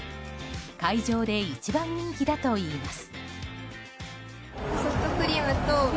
会場で一番人気だといいます。